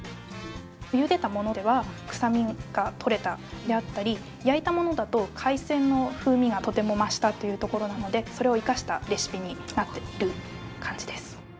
ゆでたものではくさみが取れたであったり焼いたものだと海鮮の風味がとても増したというところなのでそれを生かしたレシピになってる感じです。